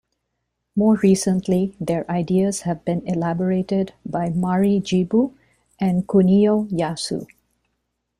More recently, their ideas have been elaborated by Mari Jibu and Kunio Yasue.